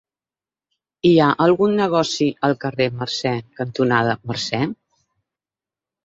Hi ha algun negoci al carrer Mercè cantonada Mercè?